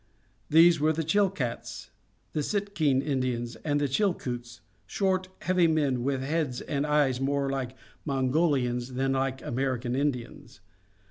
These men were the Chilkats, the Stikeen Indians, and the Chilkoots, short, heavy men, with heads and eyes more like Mongolians than like American Indians.